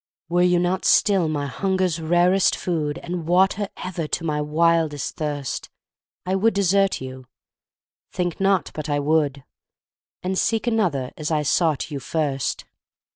Were you not still my hunger's rarest food, And water ever to my wildest thirst, I would desert you think not but I would! And seek another as I sought you first.